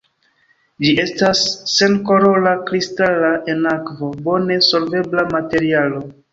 Ĝi estas senkolora, kristala, en akvo bone solvebla materialo.